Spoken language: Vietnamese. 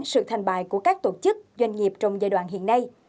sự thành bài của các tổ chức doanh nghiệp trong giai đoạn hiện nay